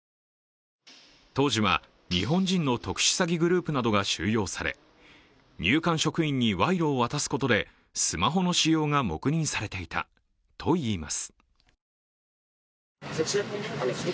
当時は日本人の特殊詐欺グループなどが収容され入管職員に賄賂を渡すことでスマホの使用が黙認されていたといいます。